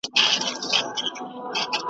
موږ په روڼو سترګو لاندي تر بړستن یو .